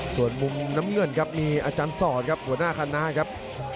ส่วนมุมน้ำเงินครับมีอาจารย์สอนครับหัวหน้าคณะครับ